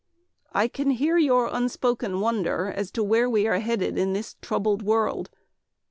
I can hear your unspoken wonder as to where we are headed in this troubled world.